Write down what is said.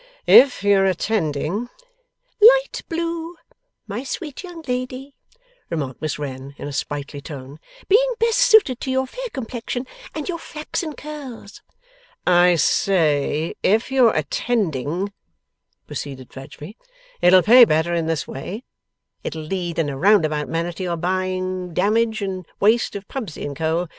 'If you're attending ' ['Light blue, my sweet young lady,' remarked Miss Wren, in a sprightly tone, 'being best suited to your fair complexion and your flaxen curls.') 'I say, if you're attending,' proceeded Fledgeby, 'it'll pay better in this way. It'll lead in a roundabout manner to your buying damage and waste of Pubsey and Co.